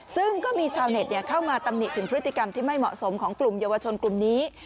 ซึ่งก็มีชาวเน็ตเข้ามาตำหนิถึงพฤติกรรมที่ไม่เหมาะสมของกลุ่มเยาวชนกลุ่มนี้